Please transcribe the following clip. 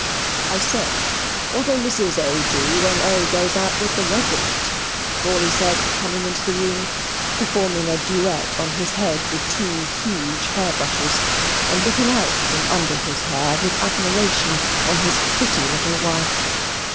"I say, what'll Mrs. O. do, when O. goes out with the regiment?" Crawley said coming into the room, performing a duet on his head with two huge hair brushes, and looking out from under his hair with admiration on his pretty little wife.